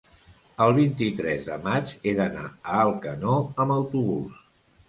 el vint-i-tres de maig he d'anar a Alcanó amb autobús.